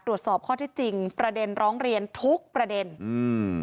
ตรวจสอบข้อที่จริงประเด็นร้องเรียนทุกประเด็นอืม